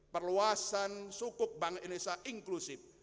perluasan sukup bank indonesia inklusif